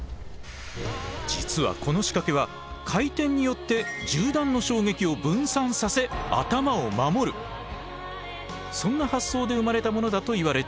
実はこの仕掛けはそんな発想で生まれたものだといわれているんです。